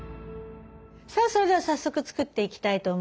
さあそれでは早速作っていきたいと思います。